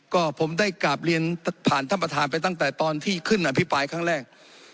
ก็ผมได้กราบเรียนผ่านท่านประธานไปตั้งแต่ตอนที่ขึ้นอภิปรายครั้งแรก